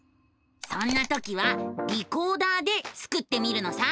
そんな時は「リコーダー」でスクってみるのさ！